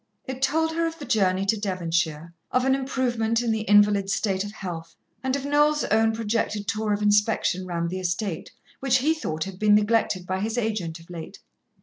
It told her of the journey to Devonshire, of an improvement in the invalid's state of health, and of Noel's own projected tour of inspection round the estate, which he thought had been neglected by his agent of late.